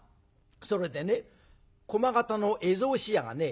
「それでね駒形の絵草紙屋がね